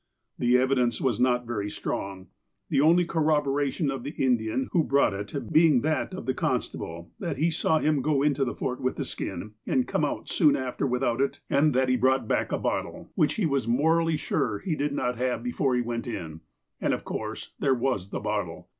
The evidence was not very strong. The only corrob oration of the Indian who bought it being that of the constable that he saw him go into the Fort with the skin, and come out soon after, without it, and that he brought 214 THE APOSTLE OF ALASKA back a bottle, whicli he was morally sure he did not have before he went in. And, of course, there was the bottle.